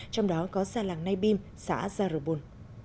trong đó có gia lai nay bim xã gia rồ bồn